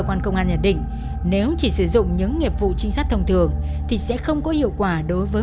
quán du lịch đang chào nhlad